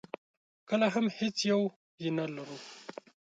کله هم هېڅ یو یې نه ولرو.